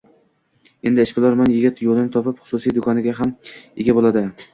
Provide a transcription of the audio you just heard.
Eddi ishbilarmon yigit, yo`lini topib xususiy do`koniga ham ega bo`ladi